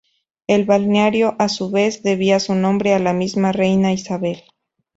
El balneario, a su vez, debía su nombre a la misma reina Isabel.